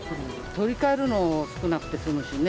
取り替えるの少なくて済むしね。